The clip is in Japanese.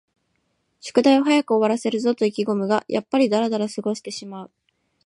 宿題を早く終わらせるぞと意気ごむが、やっぱりだらだら過ごしてしまう